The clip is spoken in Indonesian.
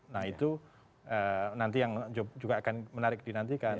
nah itu nanti yang juga akan menarik dinantikan